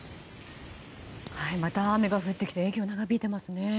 また雨が降ってきて影響が長引いていますね。